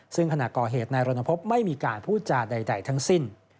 ซึ่งขณะก่อเหตุนายรณพบไม่มีการพูดจาใดทั้งสิ้น